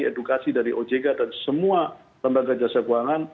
edukasi dari ojk dan semua lembaga jasa keuangan